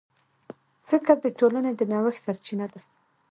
فکر د ټولنې د نوښت سرچینه ده.